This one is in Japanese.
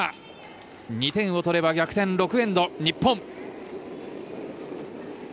２点を取れば逆転、６エンド日本。